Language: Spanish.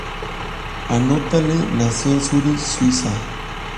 Anatole nació en Zurich, Suiza.